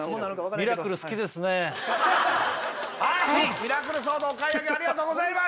ミラクルソードお買い上げありがとうございます